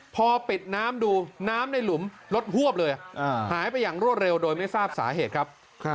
พอปิดน้ำดูน้ำในหลุมรถหวบเลยหายไปอย่างรวดเร็วโดยไม่ทราบสาเหตุครับ